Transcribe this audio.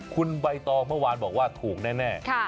คุณใบตองเมื่อวานบอกว่าถูกแน่